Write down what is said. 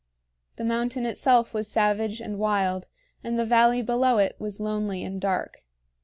The mountain itself was savage and wild, and the valley below it was lonely and dark.